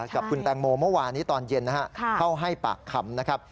กับคุณแตงโมเมื่อวานนี้ตอนเย็นนะฮะเข้าให้ปากคำนะครับ